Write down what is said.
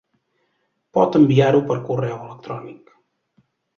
Pot enviar-ho per correu electrònic.